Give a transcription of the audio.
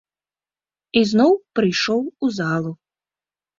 Ізноў прыйшоў у залу.